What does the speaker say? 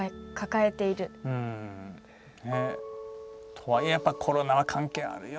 とはいえやっぱコロナは関係あるよ。